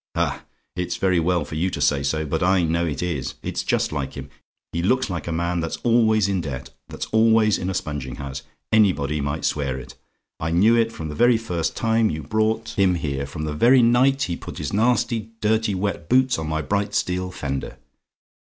"Ah! it's very well for you to say so; but I know it is; it's just like him. He looks like a man that's always in debt that's always in a sponging house. Anybody might swear it. I knew it from the very first time you brought him here from the very night he put his nasty dirty wet boots on my bright steel fender.